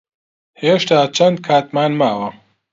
هێشتا چەند کاتمان ماوە؟